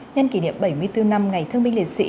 nhân kỷ niệm bảy mươi bốn năm ngày thương binh liệt sĩ